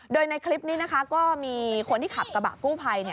โดยในคลิปนี้นะคะก็มีคนที่ขับกระบะกู้ภัย